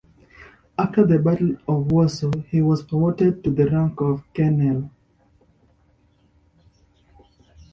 After the battle of Warsaw he was promoted to the rank of Colonel.